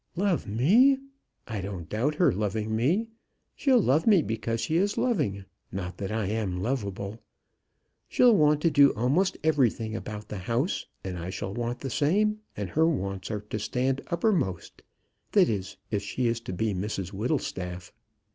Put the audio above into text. "Love me! I don't doubt her loving me. She'll love me because she is loving not that I am lovable. She'll want to do a'most everything about the house, and I shall want the same; and her wants are to stand uppermost, that is, if she is to be Mrs Whittlestaff."